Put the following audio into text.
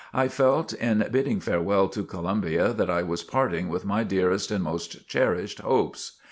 I felt in bidding farewell to Columbia, that I was parting with my dearest and most cherished hopes.